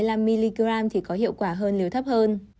liều trên bảy mươi năm mg thì có hiệu quả hơn liều thấp hơn